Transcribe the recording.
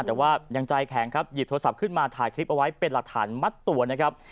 แต่ว่ายังใจแข็งครับหยิบโทรศัพท์ขึ้นมาถ่ายคลิปเอาไว้เป็นหลักฐานมัดตัวนะครับ